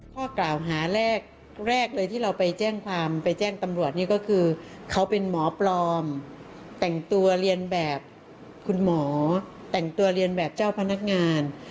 ข้อกล่าวหาแรกเลยที่เราไปแจ้งความไปแจ้งตำรวจนี่ก็คือเขาเป็นหมอปลอมแต่งตัวเรียนแบบคุณหมอแต่งตัวเรียนแบบเจ้าพนักงาน